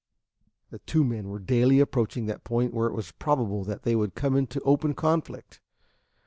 The two men were daily approaching that point where it was probable that they would come into open conflict.